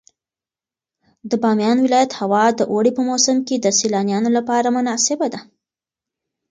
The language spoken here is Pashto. د بامیان ولایت هوا د اوړي په موسم کې د سیلانیانو لپاره مناسبه ده.